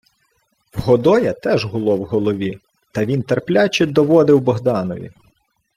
В Годоя теж гуло в голові, та він терпляче доводив Богданові: